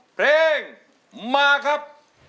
เพลงที่สาม